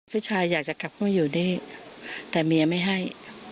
ผู้ชายอยากจะกลับเข้ามาอยู่นี่แต่เมียไม่ให้